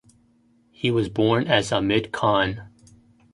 He was born as Ahmed Khan.